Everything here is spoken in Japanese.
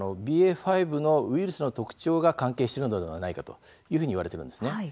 ＢＡ．５のウイルスの特徴が関係しているのではないかというふうにいわれているんです。